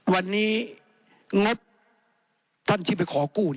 วันนี้งบท่านที่ไปขอกู้